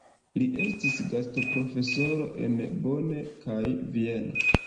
Li estis gastoprofesoro en Bonn kaj Vieno.